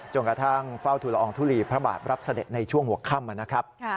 กระทั่งเฝ้าทุลอองทุลีพระบาทรับเสด็จในช่วงหัวค่ำนะครับ